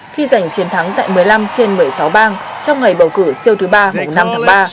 khi giành chiến thắng tại một mươi năm trên một mươi sáu bang trong ngày bầu cử siêu thứ ba năm tháng ba